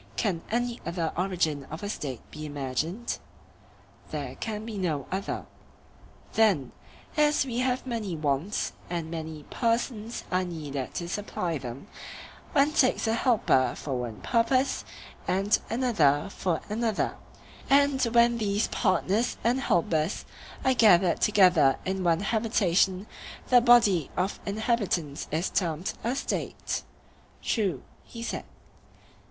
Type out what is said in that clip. Can any other origin of a State be imagined? There can be no other. Then, as we have many wants, and many persons are needed to supply them, one takes a helper for one purpose and another for another; and when these partners and helpers are gathered together in one habitation the body of inhabitants is termed a State. True, he said.